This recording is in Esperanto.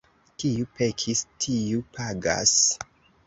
Kiu pekis, tiu pagas.